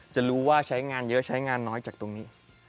จะรู้ว่าใช้งานเยอะใช้งานน้อยจากตรงนี้